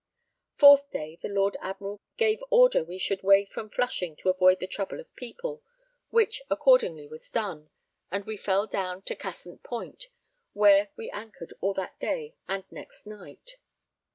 Fourth day; [the] Lord Admiral gave order we should weigh from Flushing to avoid the trouble of people, which accordingly was done, and we fell down to Cassant Point, where we anchored all that day and next night.